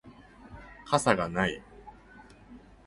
傘がない